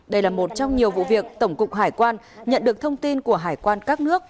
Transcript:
đây là một trong nhiều vụ việc tổng cục hải quan nhận được thông tin của hải quan các nước